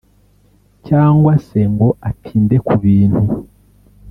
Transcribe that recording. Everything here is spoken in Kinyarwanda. cyangwa se ngo atinde ku bintu